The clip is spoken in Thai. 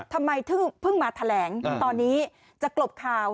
ทำไมเพิ่งมาแถลงตอนนี้จะกลบข่าว